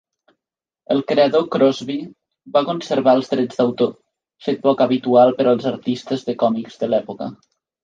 El creador Crosby va conservar els drets d'autor, fet poc habitual per als artistes de còmics de l'època.